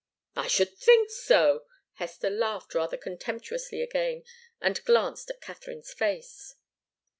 "I should think so!" Hester laughed rather contemptuously again, and glanced at Katharine's face.